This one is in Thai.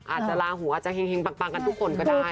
อาจจะลาหูอาจจะเห็งปังกันทุกคนก็ได้